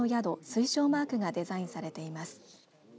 推奨マークがデザインされています。